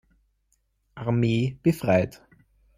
Armee befreit.